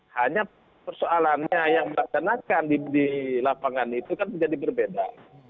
hanya persoalannya yang melaksanakan di lapangan itu kan menjadi berbeda